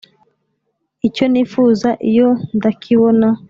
icyo nifuza iyo ndakibona